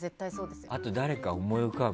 あと誰か思い浮かぶ？